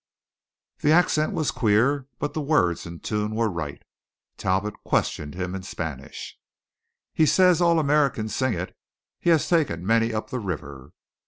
The accent was queer, but the words and tune were right. Talbot questioned him in Spanish. "He says all Americans sing it. He has taken many up the river."